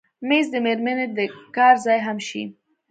مېز د مېرمنې د کار ځای هم شي.